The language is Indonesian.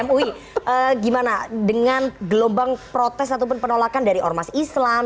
mui gimana dengan gelombang protes ataupun penolakan dari ormas islam